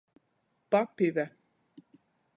Papive.